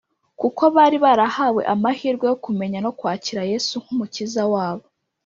kuko bari barahawe amahirwe yo kumenya no kwakira yesu nk’umukiza wabo